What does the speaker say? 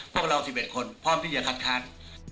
พวกเรา๑๑คนพร้อมที่จะคัดค้าน